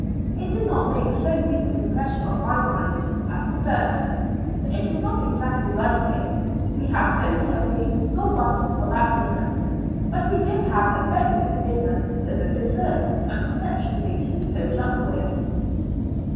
It did not make so deep an impression on my mind as the first, for it was not exactly like it, we had no turkey, nor butter for that dinner ; but we did have a very good dinner, with a dessert and confectioneries to close up with.